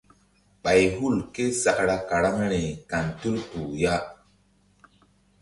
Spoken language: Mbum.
Ɓay hul ké sakra karaŋri kan tul kpuh ya.